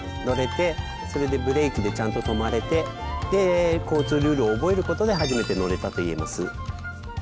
乗れてそれでブレーキでちゃんと止まれてで交通ルールを覚えることで初めて乗れたと言えます。